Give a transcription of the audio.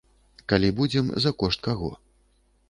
Калі будзем, за кошт каго.